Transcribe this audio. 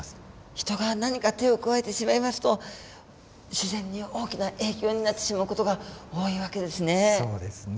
人が何か手を加えてしまいますと自然に大きな影響になってしまう事が多い訳ですね。